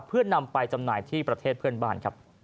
เพื่อนำไปจำหน่ายที่ประเทศเพื่อนบ้านครับ